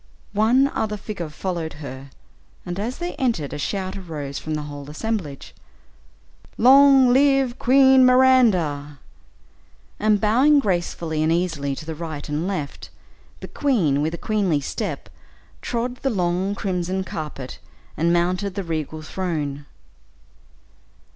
One other figure followed her, and as they entered, a shout arose from the whole assemblage, "Long live Queen Miranda!" And bowing gracefully and easily to the right and left, the queen with a queenly step, trod the long crimson carpet and mounted the regal throne.